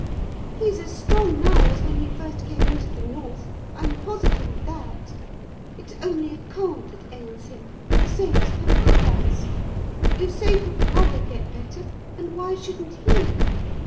He's as strong now as when he first came into the north; I'm positive of that. It's only a cold that ails him, the same as papa has. You say papa will get better, and why shouldn't he?"